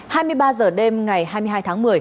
hai mươi ba h đêm ngày hai mươi hai tháng một mươi